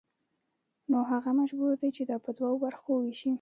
نو هغه مجبور دی چې دا په دوو برخو ووېشي